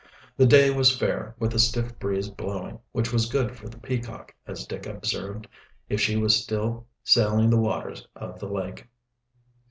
The day was fair, with a stiff breeze blowing, which was good for the Peacock, as Dick observed, if she was still sailing the waters of the lake.